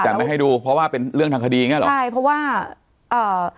แต่ไม่ให้ดูเพราะว่าเป็นเรื่องทางคดีไงหรอใช่เพราะว่าอ่า